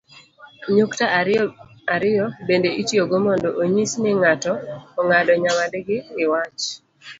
nyukta ariyo ariyo bende itiyogo mondo onyis ni ng'ato ong'ado nyawadgi iwach